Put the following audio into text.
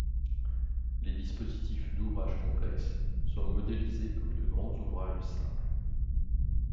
Les dispositifs d’ouvrages complexes sont modélisés comme de grands ouvrages simples.